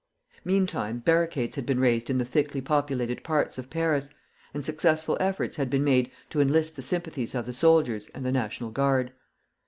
Meantime barricades had been raised in the thickly populated parts of Paris, and successful efforts had been made to enlist the sympathies of the soldiers and the National Guard.